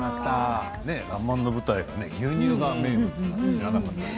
「らんまん」の舞台は牛乳が名物知らなかったです。